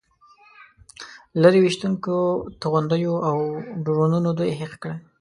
لرې ویشتونکو توغندیو او ډرونونو دوی هېښ کړل.